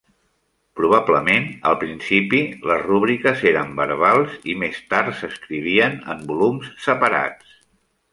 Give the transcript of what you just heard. Probablement, al principi, les rúbriques eren verbals i més tard s'escrivien en volums separats.